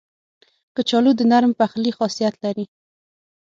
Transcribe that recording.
کچالو د نرم پخلي خاصیت لري